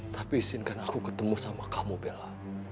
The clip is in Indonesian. tapi izinkan aku ketemu sama kamu bella